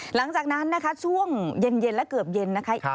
หลังจากนั้นช่วงเย็นและเกือบเย็น